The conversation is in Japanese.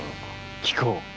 聞こう。